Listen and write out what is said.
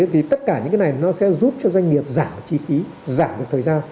thì tất cả những cái này nó sẽ giúp cho doanh nghiệp giảm chi phí giảm được thời gian